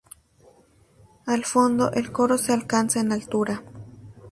Al fondo el coro se alza en altura.